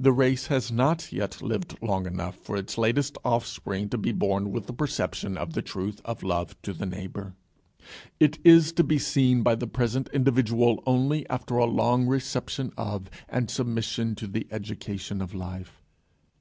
The race has not yet lived long enough for its latest offspring to be born with the perception of the truth of love to the neighbour. It is to be seen by the present individual only after a long reception of and submission to the education of life.